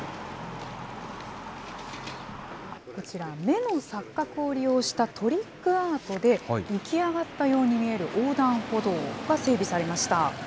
こちら、目の錯覚を利用したトリックアートで、浮き上がったように見える横断歩道が整備されました。